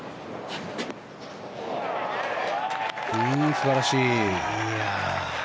素晴らしい。